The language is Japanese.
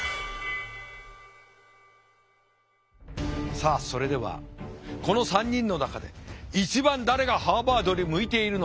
さあそれではこの３人の中で一番誰がハーバードに向いているのか。